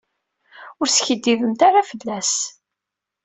Ur skiddibemt ara fell-as.